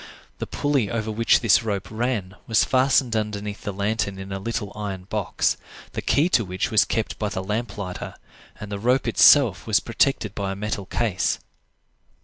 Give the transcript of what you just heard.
The pulley over which this rope ran was fastened underneath the lantern in a little iron box, the key to which was kept by the lamp lighter, and the rope itself was protected by a metal case.